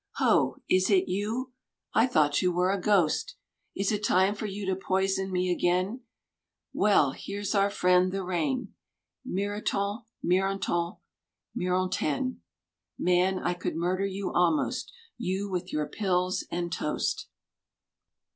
Ho, is it you? I thought you were a ghost. Is it time, for ^ou to poison me again? Well, here's our friend the rain, — Mironton, minmUm, mirontaine ..• Man, I could murder you almost, You with your pills and toast.